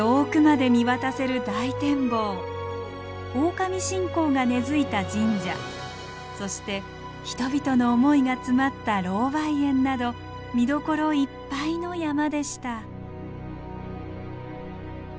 オオカミ信仰が根づいた神社そして人々の思いが詰まったロウバイ園など見どころいっぱいの山でした。